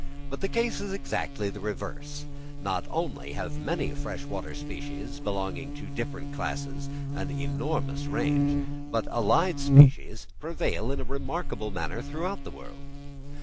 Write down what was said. But the case is exactly the reverse. Not only have many fresh water species, belonging to different classes, an enormous range, but allied species prevail in a remarkable manner throughout the world.